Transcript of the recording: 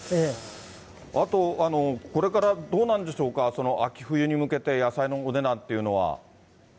あと、これからどうなんでしょうか、秋冬に向けて、野菜のお値段っていうのは。